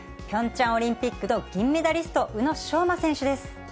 ピョンチャンオリンピックの銀メダリスト、宇野昌磨選手です。